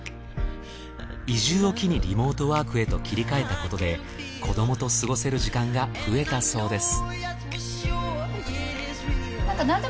移住を機にリモートワークへと切り替えたことで子どもと過ごせる時間が増えたそうです。